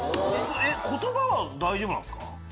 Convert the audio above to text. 言葉は大丈夫なんですか？